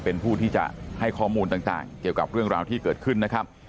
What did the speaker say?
เป็นผู้ที่จะให้ข้อมูลต่างเกี่ยวกับเรื่องราวที่เกิดขึ้นนะครับ